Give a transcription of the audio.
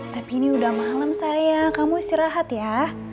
tapi ini udah malam saya kamu istirahat ya